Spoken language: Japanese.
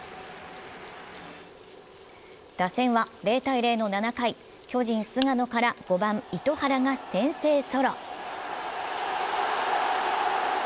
打線は０−０の７回、巨人、菅野から５番・糸原が先制ソロ。